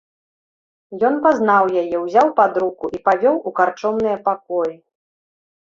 Ён пазнаў яе, узяў пад руку і павёў у карчомныя пакоі.